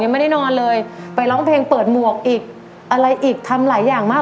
ไม่ได้นอนเลยไปร้องเพลงเปิดหมวกอีกอะไรอีกทำหลายอย่างมาก